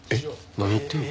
何言ってんの？